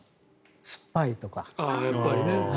酸っぱいとか。